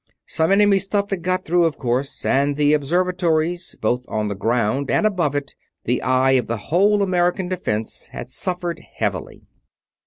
Some enemy stuff had got through, of course; and the observatories, both on the ground and above it the eye of the whole American Defense had suffered heavily.